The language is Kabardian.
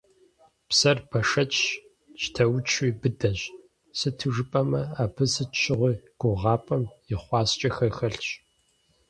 Псэр бэшэчщ, щтаучуи быдэщ, сыту жыпӀэмэ, абы сыт щыгъуи гугъапӀэм и хъуаскӀэхэр хэлъщ.